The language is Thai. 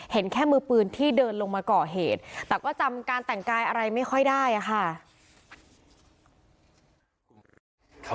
เห็นแค่มือปืนที่เดินลงมาก่อเหตุแต่ก็จำการแต่งกายอะไรไม่ค่อยได้อะค่ะ